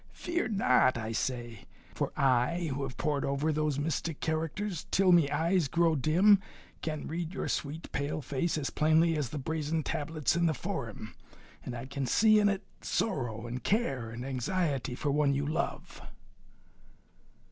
Fear not, I say, for I, who have pored over those mystic characters till me eyes grew dim, can read your sweet pale face as plainly as the brazen tablets in the Forum, and I can see in it sorrow and care and anxiety for one you love."